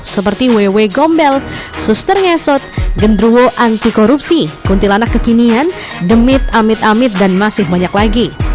seperti wewe gombel suster ngesot gendruwo antikorupsi kuntilanak kekinian demit amit amit dan masih banyak lagi